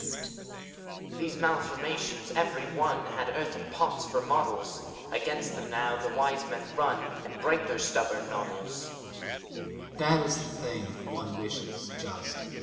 These Malformations, every one, Had earthen pots for models: Against them now the wise men run, And break their stubborn noddles. THALES. That is the thing one wishes, just!